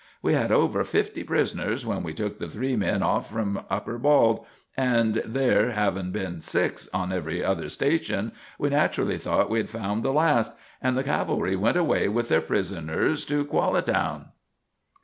We had over fifty prisoners when we took the three men off from Upper Bald, and there havin' been six on every other station, we nat'rally thought we had found the last; and the cavalry went away with their prisoners to Quallatown."